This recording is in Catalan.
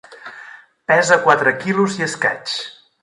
Pesa quatre quilos i escaig.